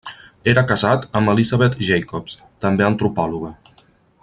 Era casat amb Elizabeth Jacobs, també antropòloga.